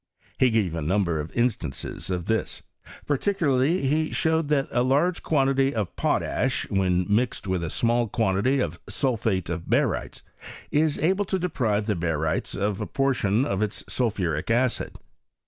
He gave a number of instances of this ; particularly, he showed that a large quantity of potash, when mixed with a small quantity of sulphate of barytes, is able to deprive the barytes of a portion of its sulphuric acid.